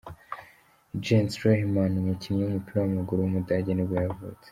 Jens Lehmann, umukinnyi w’umupira w’amaguru w’umudage nibwo yavutse.